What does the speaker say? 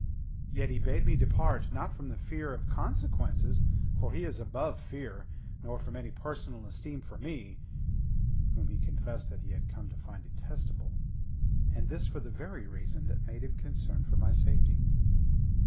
Yet he bade me depart; not from the fear of consequences, for he is above fear, nor from any personal esteem for me whom he confessed that he had come to find detestable; and this for the very reason that made him concerned for my safety."